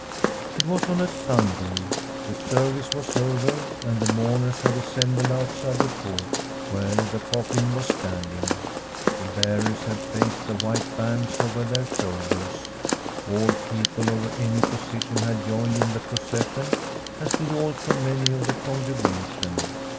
It was on a Sunday. The service was over, and the mourners had assembled outside the porch, where the coffin was standing. The bearers had placed the white bands over their shoulders ; all people of any position had joined in the proces sion, as did also many of the congregation.